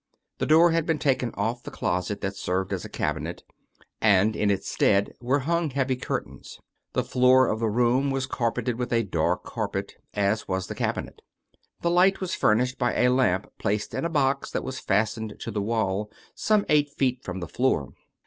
The door had been taken off the closet that served as a cabinet, and in its stead were hung heavy curtains. The floor of the room was car peted with a dark carpet, as was the cabinet. The light was furnished by a lamp placed in a box that was fastened to the wall some eight feet from the floor.